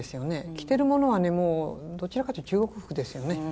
着てるものはどちらかというと中国服ですよね。